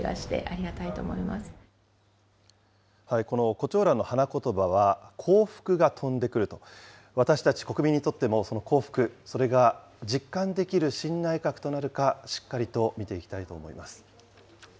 こちょうらんの花言葉は、幸福が飛んでくると、私たち国民にとっても、その幸福、それが実感できる新内閣となるか、しっかりと見ていきたいと思います。